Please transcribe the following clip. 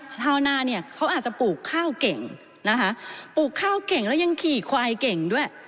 ชาวนาเนี่ยเขาอาจจะปลูกข้าวเก่งนะคะปลูกข้าวเก่งแล้วยังขี่ควายเก่งด้วย